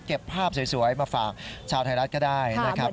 เก็บภาพสวยมาฝากชาวไทยรัฐก็ได้นะครับ